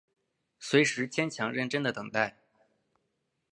随时坚强认真的等待